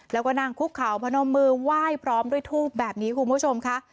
แล้วก็นั่งคุกเขาพนมมือไหว้พร้อมด้วยทูบแบบนี้คุณผู้ชมค่ะ